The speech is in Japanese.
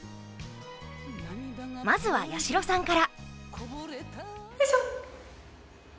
まずは八代さんから。